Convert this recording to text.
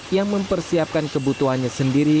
yang mempersiapkan kebutuhannya sendiri